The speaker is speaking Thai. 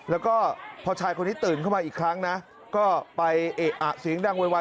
แล้วก็พอชายคนนี้ตื่นเข้ามาอีกครั้งนะก็ไปเอะอะเสียงดังโวยวาย